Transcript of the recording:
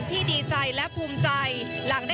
ดีใจมากค่ะภูมิใจมากค่ะ